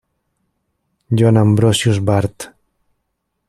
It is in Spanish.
Johann Ambrosius Barth.